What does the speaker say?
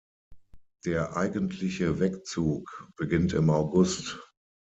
Der eigentliche Wegzug beginnt im August.